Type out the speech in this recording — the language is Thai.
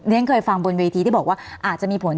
ฉันเคยฟังบนเวทีที่บอกว่าอาจจะมีผล